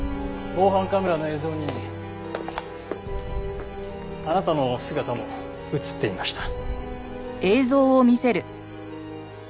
防犯カメラの映像にあなたの姿も映っていました。